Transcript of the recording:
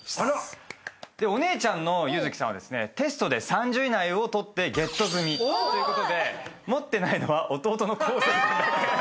でお姉ちゃんの優月さんはテストで３０位以内を取ってゲット済みということで持ってないのは弟の恒惺君だけなんです。